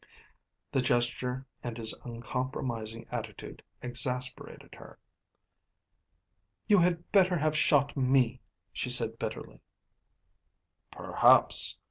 The gesture and his uncompromising attitude exasperated her. "You had better have shot me," she said bitterly. "Perhaps.